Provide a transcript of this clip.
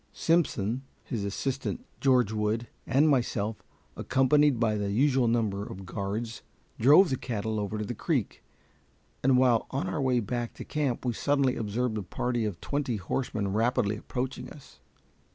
Simpson, his assistant George Wood, and myself, accompanied by the usual number of guards, drove the cattle over to the creek, and while on our way back to camp we suddenly observed a party of twenty horsemen rapidly approaching us.